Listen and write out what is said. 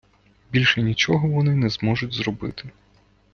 Більше нічого вони не зможуть зробити.